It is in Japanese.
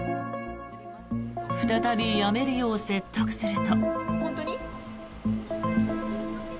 再び、やめるよう説得すると。